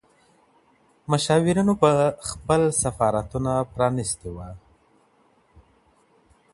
مشاورینو به خپل سفارتونه پرانیستي وه.